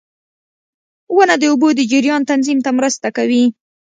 • ونه د اوبو د جریان تنظیم ته مرسته کوي.